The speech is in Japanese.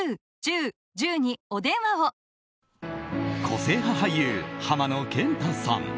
個性派俳優・浜野謙太さん。